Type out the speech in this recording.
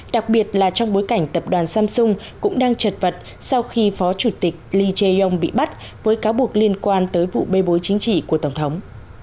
đặc biệt là trong bối cảnh tập đoàn samsung cũng đang chật vật sau khi phó chủ tịch ly chay yong bị bắt với cáo buộc liên quan tới vụ bê bối chính trị của tổng thống